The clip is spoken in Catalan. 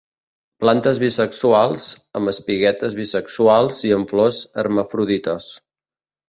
Plantes bisexual, amb espiguetes bisexuals i amb flors hermafrodites.